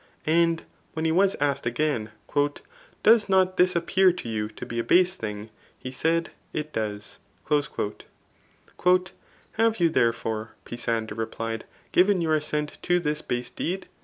And when he was again asked, ^^ Does not this appear to you to be a base thing ? he sadd, It docs." •* Have you therefore, Pisander replied, given your assent to this base deed?"'